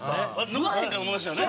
脱がへんかと思いましたよね。